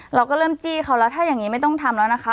เราก็เริ่มจี้เขาแล้วถ้าอย่างนี้ไม่ต้องทำแล้วนะคะ